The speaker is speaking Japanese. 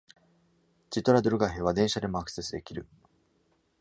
チトラドゥルガへは電車でもアクセスできる。